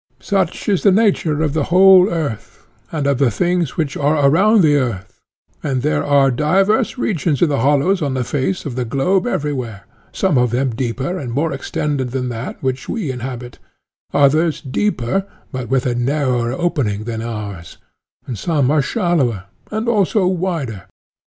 Such is the nature of the whole earth, and of the things which are around the earth; and there are divers regions in the hollows on the face of the globe everywhere, some of them deeper and more extended than that which we inhabit, others deeper but with a narrower opening than ours, and some are shallower and also wider.